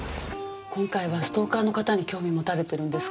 今回はストーカーの方に興味持たれてるんですか？